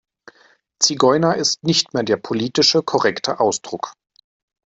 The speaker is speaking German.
Zigeuner ist nicht mehr der politische korrekte Ausdruck.